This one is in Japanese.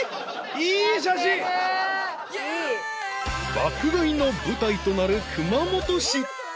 ［爆買いの舞台となる熊本市］